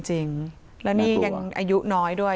จริงแล้วนี่ยังอายุน้อยด้วย